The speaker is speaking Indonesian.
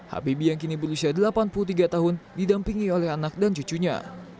habibie yang kini berusia delapan puluh tiga tahun didampingi oleh anak dan cucunya